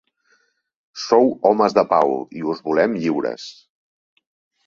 Sou homes de pau i us volem lliures.